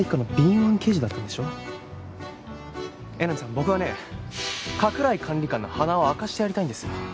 僕はね加倉井管理官の鼻を明かしてやりたいんですよ。